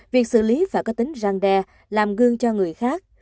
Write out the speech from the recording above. việc xử lý phải có tính răng đe làm gương cho người khác